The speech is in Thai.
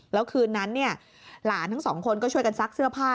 แล้วคืนนั้นหลานทั้งสองคนก็ช่วยกันซักเสื้อผ้า